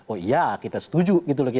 oh iya kita setuju gitu lagi